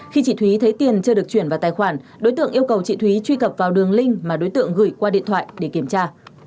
khi chị thúy thấy tiền chưa được chuyển vào tài khoản đối tượng yêu cầu chị thúy truy cập vào đường link mà đối tượng gửi qua điện thoại để kiểm tra